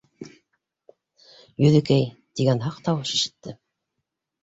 — Йөҙөкәй, — тигән һаҡ тауыш ишетте.